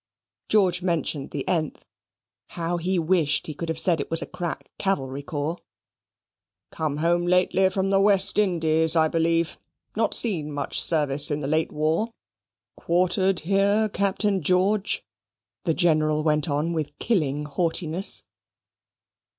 George mentioned the th: how he wished he could have said it was a crack cavalry corps. "Come home lately from the West Indies, I believe. Not seen much service in the late war. Quartered here, Captain George?" the General went on with killing haughtiness.